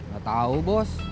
nggak tahu bos